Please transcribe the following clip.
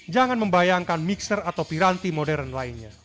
jangan membayangkan mixer atau piranti modern lainnya